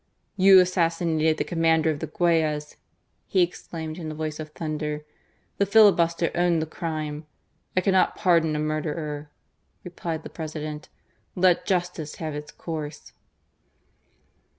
"You assassinated the commander of the Guayas !" he exclaimed in a voice of thunder. The filibuster owned the crime. " I cannot pardon a murderer," replied the Presi dent. " Let justice have its course."